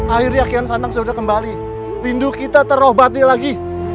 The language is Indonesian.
akhirnya kian santang sudah kembali rindu kita terobati lagi